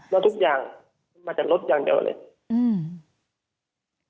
แล้วทุกอย่างมันมาจากรถอย่างเดียวเลยอืม